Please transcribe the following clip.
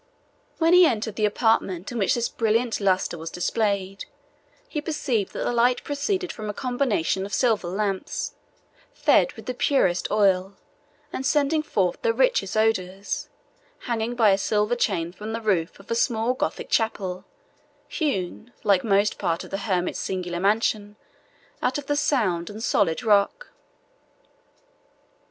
When he entered the apartment in which this brilliant lustre was displayed, he perceived that the light proceeded from a combination of silver lamps, fed with purest oil, and sending forth the richest odours, hanging by silver chains from the roof of a small Gothic chapel, hewn, like most part of the hermit's singular mansion, out of the sound and solid rock.